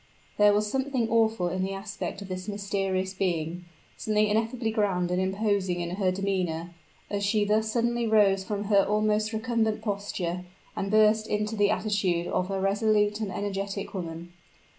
There was something awful in the aspect of this mysterious being something ineffably grand and imposing in her demeanor as she thus suddenly rose from her almost recumbent posture, and burst into the attitude of a resolute and energetic woman.